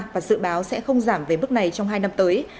và dự báo sẽ không giảm về mức này trong hai năm tới